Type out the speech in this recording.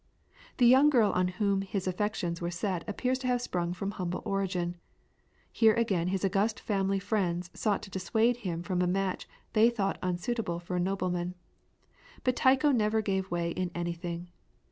The young girl on whom his affections were set appears to have sprung from humble origin. Here again his august family friends sought to dissuade him from a match they thought unsuitable for a nobleman. But Tycho never gave way in anything.